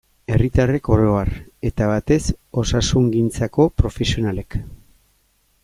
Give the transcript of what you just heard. Herritarrek oro har, eta batez osasungintzako profesionalek.